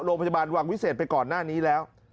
โรงพยาบาลวังวิเศษไปก่อนหน้านี้แล้ว